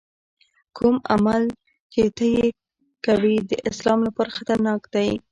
کوم عمل چې ته یې کوې د اسلام لپاره خطرناک دی.